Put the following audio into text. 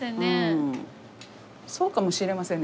そうかもしれませんね。